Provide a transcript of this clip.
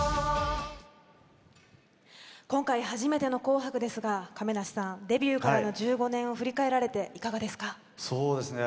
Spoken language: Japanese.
今回、初めての紅白ですが亀梨さんデビューからの１５年を振り返られていかがですか？